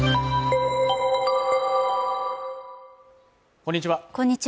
こんにちは